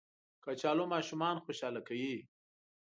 کچالو ماشومان خوشحاله کوي